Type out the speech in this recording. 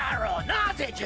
なぜじゃ！